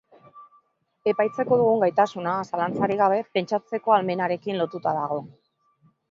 Epaitzeko dugun gaitasuna, zalantzarik gabe, pentsatzeko ahalmenarekin lotuta dago.